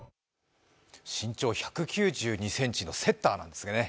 身長１９２ｃｍのセッターなんですね。